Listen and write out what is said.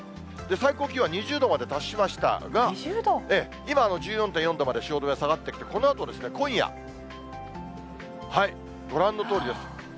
最高気温は２０度まで達しましたが、今、１４．４度まで汐留下がってきまして、このあと今夜、ご覧のとおりです。